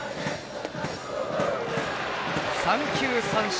三球三振。